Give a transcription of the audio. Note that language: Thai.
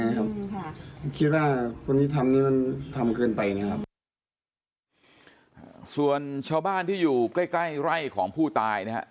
คิดว่าคนที่ทำนี้มันทำเกินไปนะครับส่วนชาวบ้านที่อยู่ใกล้ใกล้ไร่ของผู้ตายนี่ฮะ